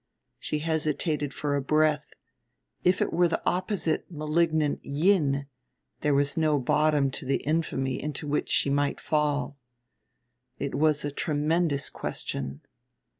She hesitated for a breath if it were the opposite malignant Yin there was no bottom to the infamy into which she might fall. It was a tremendous question.